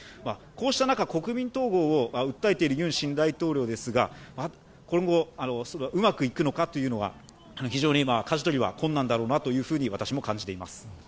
こうした中、国民統合を訴えているユン新大統領ですが、これもうまくいくのかというのは、かじ取りは非常に困難だろうなと私も感じています。